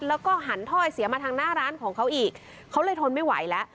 แล้วก็หันถ้อยเสียมาทางหน้าร้านของเขาอีกเขาเลยทนไม่ไหวแล้ว